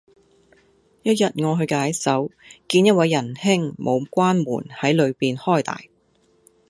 一日我去解手,見一位仁兄冇關門系裏面開大